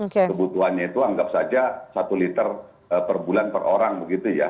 kebutuhannya itu anggap saja satu liter per bulan per orang begitu ya